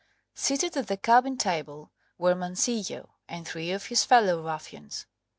Seated at the cabin table were Mancillo and three of his fellow ruffians.